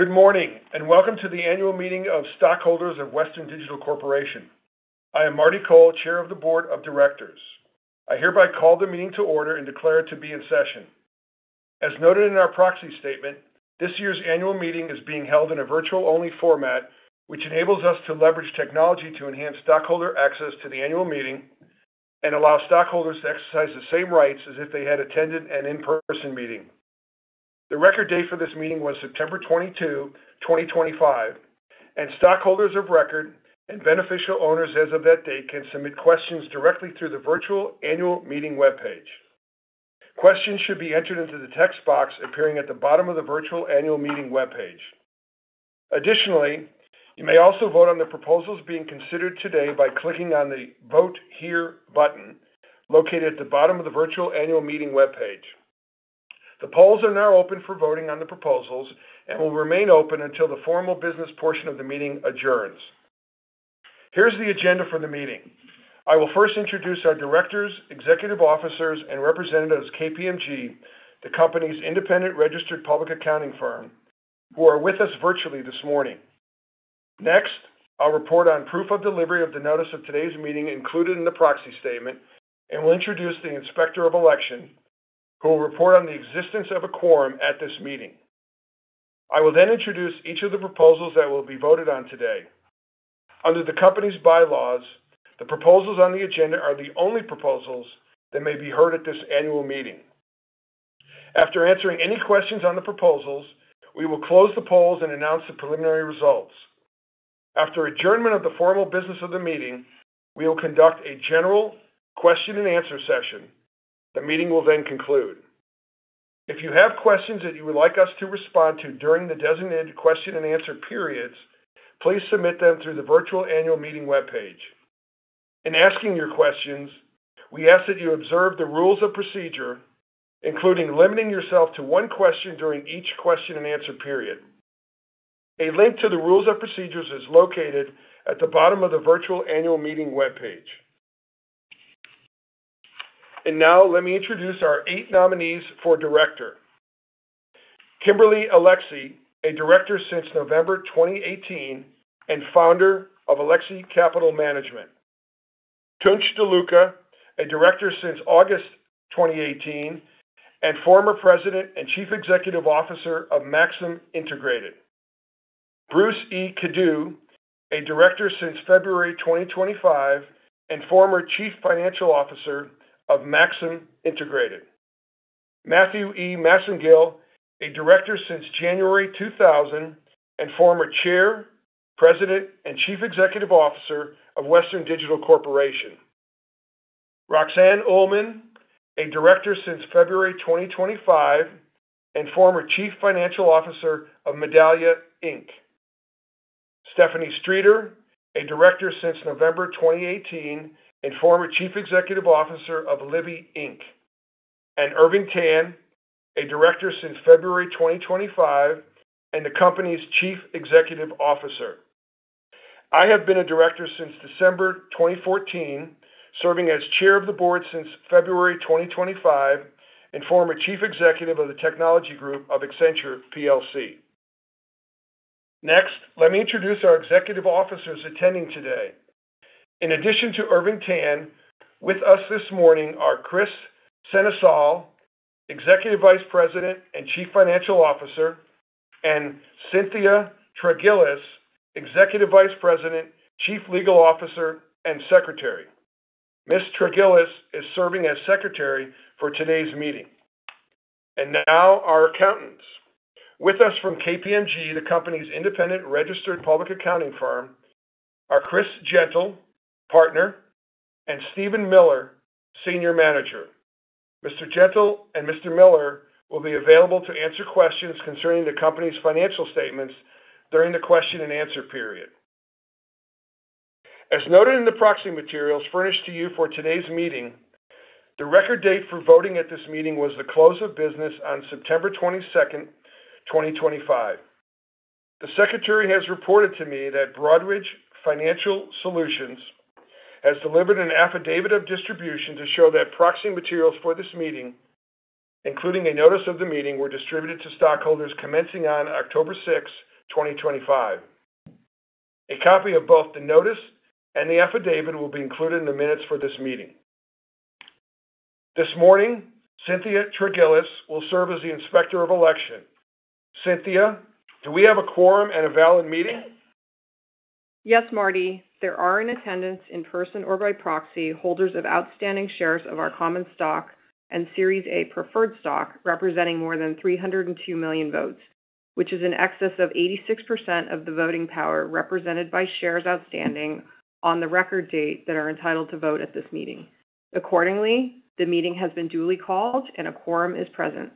Good morning, and welcome to the annual meeting of stockholders of Western Digital Corporation. I am Marty Cole, Chair of the Board of Directors. I hereby call the meeting to order and declare it to be in session. As noted in our proxy statement, this year's annual meeting is being held in a virtual-only format, which enables us to leverage technology to enhance stockholder access to the annual meeting and allow stockholders to exercise the same rights as if they had attended an in-person meeting. The record date for this meeting was September 22, 2025, and stockholders of record and beneficial owners as of that date can submit questions directly through the virtual annual meeting web page. Questions should be entered into the text box appearing at the bottom of the virtual annual meeting web page. Additionally, you may also vote on the proposals being considered today by clicking on the "Vote Here" button located at the bottom of the virtual annual meeting web page. The polls are now open for voting on the proposals and will remain open until the formal business portion of the meeting adjourns. Here is the agenda for the meeting. I will first introduce our directors, executive officers, and representatives of KPMG, the company's independent registered public accounting firm, who are with us virtually this morning. Next, I will report on proof of delivery of the notice of today's meeting included in the proxy statement and will introduce the inspector of election, who will report on the existence of a quorum at this meeting. I will then introduce each of the proposals that will be voted on today. Under the company's bylaws, the proposals on the agenda are the only proposals that may be heard at this annual meeting. After answering any questions on the proposals, we will close the polls and announce the preliminary results. After adjournment of the formal business of the meeting, we will conduct a general question-and-answer session. The meeting will then conclude. If you have questions that you would like us to respond to during the designated question-and-answer periods, please submit them through the virtual annual meeting web page. In asking your questions, we ask that you observe the rules of procedure, including limiting yourself to one question during each question-and-answer period. A link to the rules of procedures is located at the bottom of the virtual annual meeting web page. Now, let me introduce our eight nominees for director. Kimberly Alexy, a director since November 2018 and founder of Alexy Capital Management. Tunç Doluca, a director since August 2018 and former president and chief executive officer of Maxim Integrated. Bruce E. Kiddoo, a director since February 2025 and former chief financial officer of Maxim Integrated. Matthew E. Massengill, a director since January 2000 and former chair, president, and chief executive officer of Western Digital. Roxanne Oulman, a director since February 2025 and former chief financial officer of Medallia Inc. Stephanie Streeter, a director since November 2018 and former chief executive officer of Libbey Inc. Irving Tan, a director since February 2025 and the company's chief executive officer. I have been a director since December 2014, serving as chair of the board since February 2025 and former chief executive of the technology group of Accenture PLC. Next, let me introduce our executive officers attending today. In addition to Irving Tan, with us this morning are Kris Sennesael, Executive Vice President and Chief Financial Officer, and Cynthia Tregillis, Executive Vice President, Chief Legal Officer, and Secretary. Ms. Tregillis is serving as Secretary for today's meeting. Our accountants are with us from KPMG, the company's independent registered public accounting firm: Kris Gentle, Partner, and Stephen Miller, Senior Manager. Mr. Gentle and Mr. Miller will be available to answer questions concerning the company's financial statements during the question-and-answer period. As noted in the proxy materials furnished to you for today's meeting, the record date for voting at this meeting was the close of business on September 22, 2025. The secretary has reported to me that Broadridge Financial Solutions has delivered an affidavit of distribution to show that proxy materials for this meeting, including a notice of the meeting, were distributed to stockholders commencing on October 6, 2025. A copy of both the notice and the affidavit will be included in the minutes for this meeting. This morning, Cynthia Tregillis will serve as the inspector of election. Cynthia, do we have a quorum and a valid meeting? Yes, Marty. There are in attendance, in person or by proxy, holders of outstanding shares of our common stock and Series A preferred stock representing more than 302 million votes, which is in excess of 86% of the voting power represented by shares outstanding on the record date that are entitled to vote at this meeting. Accordingly, the meeting has been duly called and a quorum is present.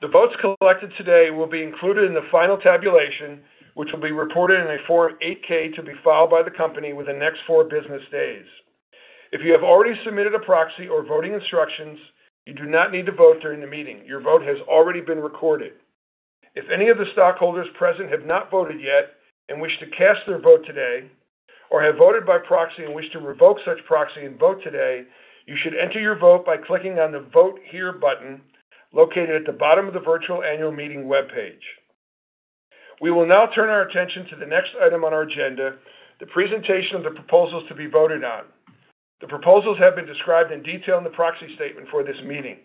The votes collected today will be included in the final tabulation, which will be reported in a Form 8-K to be filed by the company within the next four business days. If you have already submitted a proxy or voting instructions, you do not need to vote during the meeting. Your vote has already been recorded. If any of the stockholders present have not voted yet and wish to cast their vote today, or have voted by proxy and wish to revoke such proxy and vote today, you should enter your vote by clicking on the "Vote Here" button located at the bottom of the virtual annual meeting web page. We will now turn our attention to the next item on our agenda, the presentation of the proposals to be voted on. The proposals have been described in detail in the proxy statement for this meeting.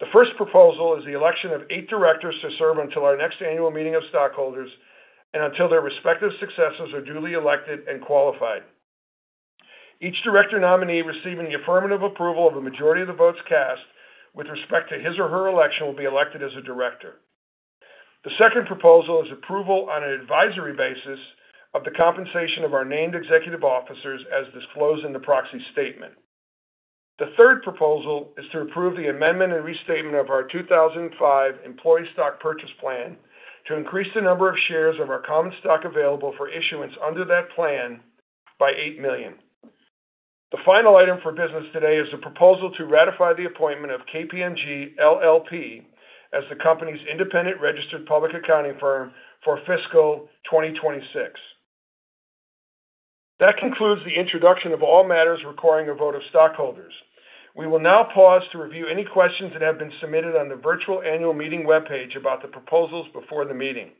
The first proposal is the election of eight directors to serve until our next annual meeting of stockholders and until their respective successors are duly elected and qualified. Each director nominee receiving the affirmative approval of the majority of the votes cast with respect to his or her election will be elected as a director. The second proposal is approval on an advisory basis of the compensation of our named executive officers as disclosed in the proxy statement. The third proposal is to approve the amendment and restatement of our 2005 employee stock purchase plan to increase the number of shares of our common stock available for issuance under that plan by 8 million. The final item for business today is the proposal to ratify the appointment of KPMG LLP as the company's independent registered public accounting firm for fiscal 2026. That concludes the introduction of all matters requiring a vote of stockholders. We will now pause to review any questions that have been submitted on the virtual annual meeting web page about the proposals before the meeting.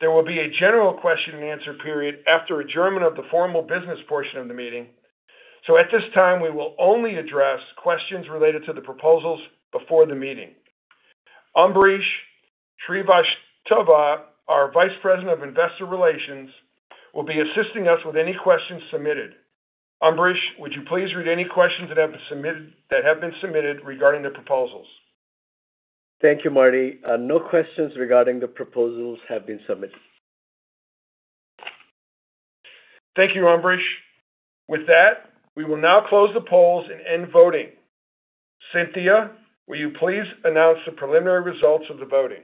There will be a general question-and-answer period after adjournment of the formal business portion of the meeting, so at this time, we will only address questions related to the proposals before the meeting. Ambrish Srivastava, our Vice President of Investor Relations, will be assisting us with any questions submitted. Ambrish, would you please read any questions that have been submitted regarding the proposals? Thank you, Marty. No questions regarding the proposals have been submitted. Thank you, Ambrish. With that, we will now close the polls and end voting. Cynthia, will you please announce the preliminary results of the voting?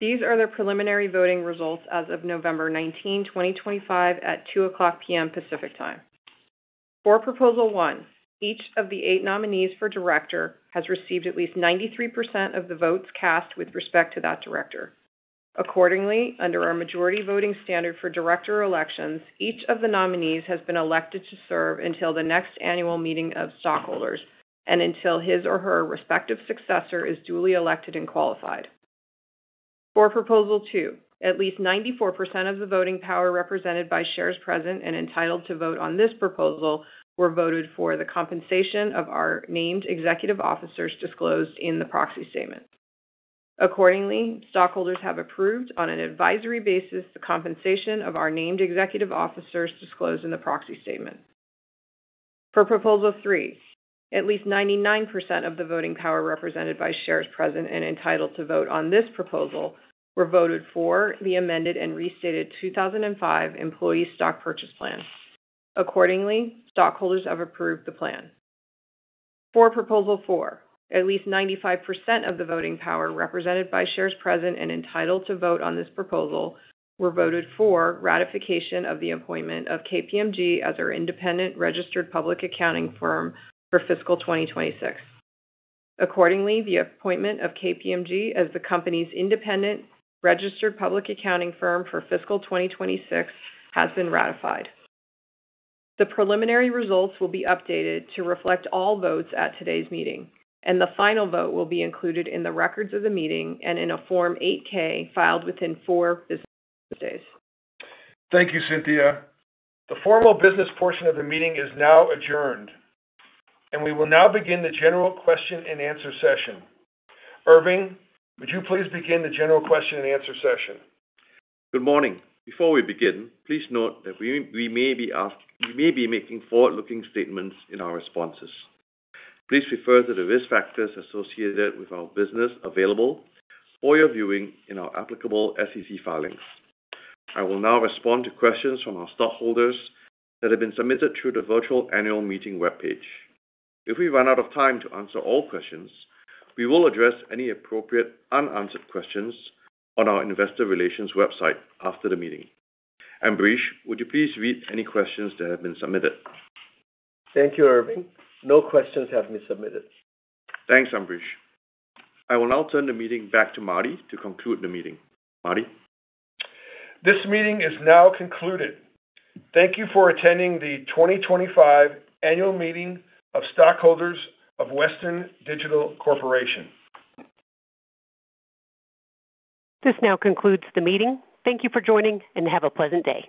These are the preliminary voting results as of November 19, 2025, at 2:00 P.M. Pacific Time. For proposal one, each of the eight nominees for director has received at least 93% of the votes cast with respect to that director. Accordingly, under our majority voting standard for director elections, each of the nominees has been elected to serve until the next annual meeting of stockholders and until his or her respective successor is duly elected and qualified. For proposal two, at least 94% of the voting power represented by shares present and entitled to vote on this proposal were voted for the compensation of our named executive officers disclosed in the proxy statement. Accordingly, stockholders have approved on an advisory basis the compensation of our named executive officers disclosed in the proxy statement. For proposal three, at least 99% of the voting power represented by shares present and entitled to vote on this proposal were voted for the amended and restated 2005 employee stock purchase plan. Accordingly, stockholders have approved the plan. For proposal four, at least 95% of the voting power represented by shares present and entitled to vote on this proposal were voted for ratification of the appointment of KPMG as our independent registered public accounting firm for fiscal 2026. Accordingly, the appointment of KPMG as the company's independent registered public accounting firm for fiscal 2026 has been ratified. The preliminary results will be updated to reflect all votes at today's meeting, and the final vote will be included in the records of the meeting and in a Form 8-K filed within four business days. Thank you, Cynthia. The formal business portion of the meeting is now adjourned, and we will now begin the general question-and-answer session. Irving, would you please begin the general question-and-answer session? Good morning. Before we begin, please note that we may be making forward-looking statements in our responses. Please refer to the risk factors associated with our business available for your viewing in our applicable SEC filings. I will now respond to questions from our stockholders that have been submitted through the virtual annual meeting web page. If we run out of time to answer all questions, we will address any appropriate unanswered questions on our investor relations website after the meeting. Ambrish, would you please read any questions that have been submitted? Thank you, Irving. No questions have been submitted. Thanks, Ambrish. I will now turn the meeting back to Marty to conclude the meeting. Marty? This meeting is now concluded. Thank you for attending the 2025 annual meeting of stockholders of Western Digital Corporation. This now concludes the meeting. Thank you for joining and have a pleasant day.